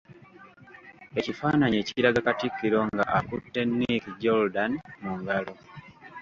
Ekifaananyi ekiraga Katikkiro nga akutte Nick Jordan mu ngalo.